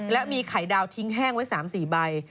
และมีไข่ดาวทิ้งแห้งไว้๓๔ใบ